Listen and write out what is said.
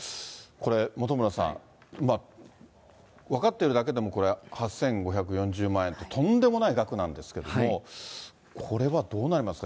これ、本村さん、分かっているだけでも、これ、８５４０万円と、とんでもない額なんですけども、これはどうなりますか。